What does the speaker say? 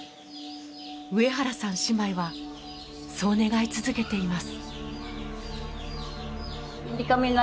ウエハラさん姉妹はそう願い続けています。